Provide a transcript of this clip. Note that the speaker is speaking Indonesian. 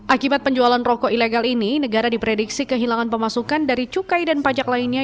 akibat penjualan rokok ilegal ini negara diprediksi kehilangan pemasukan dari cukai dan pajak lainnya